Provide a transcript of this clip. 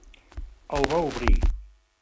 El va obrir.